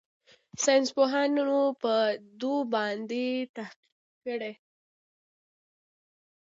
ساينسپوهانو په دو باندې تحقيق کړى.